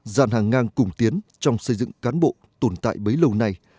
dàn hàng ngang cùng tiến trong xây dựng cán bộ tồn tại bấy lâu nay